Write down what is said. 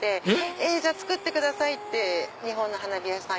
えっ？じゃあ作ってください！って日本の花火屋さん